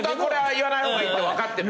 言わない方がいいって分かってる。